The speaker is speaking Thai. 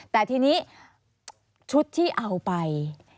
แต่ทีนี้ชุดที่เอาไป